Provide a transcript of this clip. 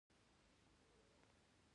په مقاله کې باید رسمي توري وکارول شي.